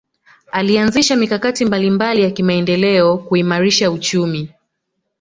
alianzisha mikakati mbalimbali ya kimaendeleo kuimarisha uchumi